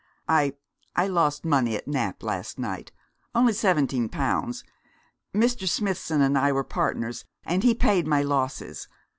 'I I lost money at Nap last night. Only seventeen pounds. Mr. Smithson and I were partners, and he paid my losses.